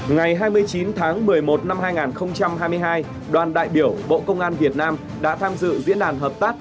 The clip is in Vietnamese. ngày hai mươi chín tháng một mươi một năm hai nghìn hai mươi hai đoàn đại biểu bộ công an việt nam đã tham dự diễn đàn hợp tác